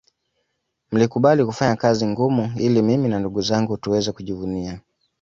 Mlikubali kufanya kazi ngumu ili mimi na ndugu zangu tuweze kujivunia